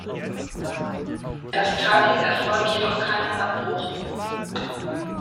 Das tat dem Erfolg jedoch keinen Abbruch.